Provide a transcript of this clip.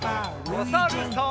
おさるさん。